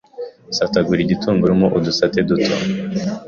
Satagura igitunguru mo udusate duto